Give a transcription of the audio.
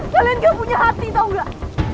kalian gak punya hati tau gak